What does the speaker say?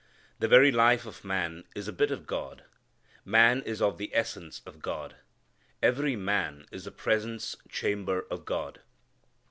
The very life of man is a bit of God. Man is of the essence of God. Every man is the presence chamber of God.